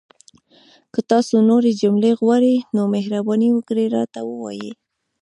که تاسو نورې جملې غواړئ، نو مهرباني وکړئ راته ووایئ!